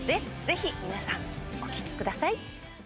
ぜひみなさんお聴きください